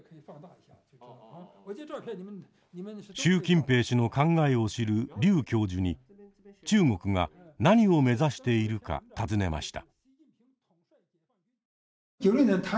習近平氏の考えを知る劉教授に中国が何を目指しているか尋ねました。